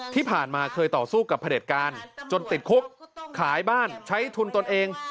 ที่ผ่านมาเคยต่อสู้กับพระเด็จการจนติดคุกขายบ้านใช้ทุนตนเอง